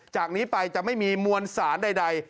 จากนี้ไปจะไม่มีมวลสารใด